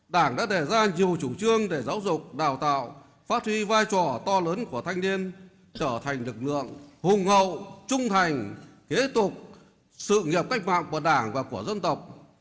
đảng đã đề ra nhiều chủ trương để giáo dục đào tạo phát huy vai trò to lớn của thanh niên trở thành lực lượng hùng hậu trung thành kế tục sự nghiệp cách mạng của đảng và của dân tộc